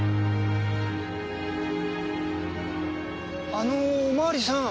あのお巡りさん。